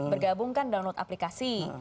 bergabung kan download aplikasi